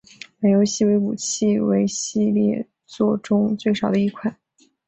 本游戏的武器为系列作中最少的一款。